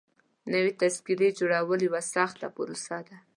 نوي تذکيري جوړول يوه سخته پروسه ده.